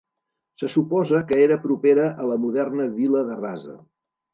Se suposa que era propera a la moderna vila de Rasa.